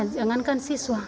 ya jangankan siswa